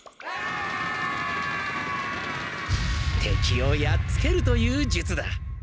敵をやっつけるという術だ。